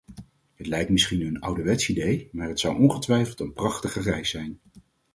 Het lijkt misschien een ouderwets idee, maar het zou ongetwijfeld een prachtige reis zijn.